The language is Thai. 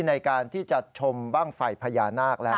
ในการที่จะชมบ้างไฟพญานาคแล้ว